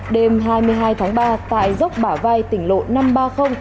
đêm hai mươi hai tháng ba tại dốc bả vai tỉnh lộ năm trăm ba mươi